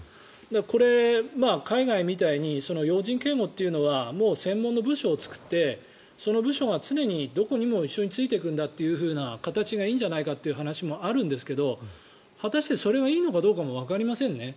これ、海外みたいに要人警護というのは専門の部署を作ってその部署が常にどこにも一緒についていくんだという形がいいんじゃないかっていう話もあるんですが果たしてそれがいいのかどうかもわかりませんね。